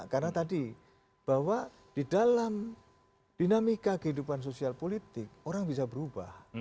karena tadi bahwa di dalam dinamika kehidupan sosial politik orang bisa berubah